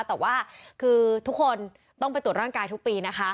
แต่ว่าคือทุกคนต้องไปตรวจร่างกายทุกปีนะคะ